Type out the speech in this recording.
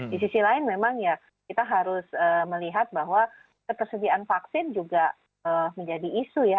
di sisi lain memang ya kita harus melihat bahwa ketersediaan vaksin juga menjadi isu ya